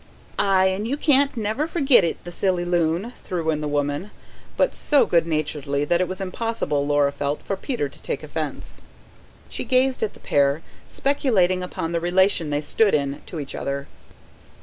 "Aye, and he can't never forget it, the silly loon," threw in the woman, but so good naturedly that it was impossible, Laura felt, for Peter to take offence. She gazed at the pair, speculating upon the relation they stood in to each other.